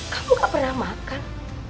kamu gak pernah makan